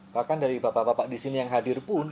bahkan dari bapak bapak di sini yang hadir pun